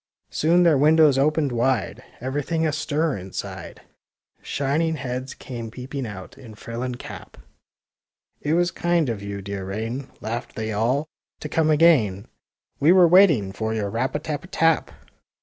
Soon their windows opened wide,— Everything astir inside; Shining heads came peeping out, in frill and cap; *^ It was kind of you, dear rain," Laughed they all, ^' to come again. We were waiting for your rap a tap a tap!